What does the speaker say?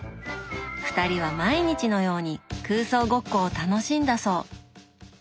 ２人は毎日のように空想ごっこを楽しんだそう。